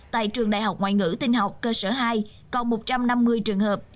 tại trường đại học ngoại ngữ tinh học cơ sở hai còn một trăm năm mươi trường hợp